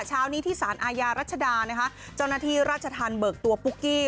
เช้านี้ที่สารอาญารัชดานะคะเจ้าหน้าที่ราชธรรมเบิกตัวปุ๊กกี้